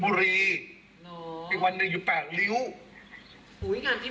มูอะไรคะมันปังขนาดนี้